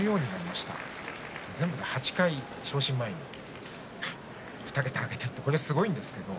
全部で８回、昇進前に２桁、挙げています、すごいです。